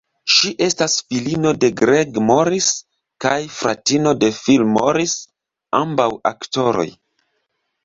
Ŝi estas filino de Greg Morris kaj fratino de Phil Morris, ambaŭ aktoroj.